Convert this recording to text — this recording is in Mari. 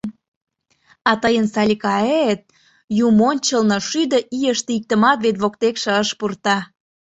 А тыйын Саликаэт... юмончылно, шӱдӧ ийыште иктымат вет воктекше ыш пурто.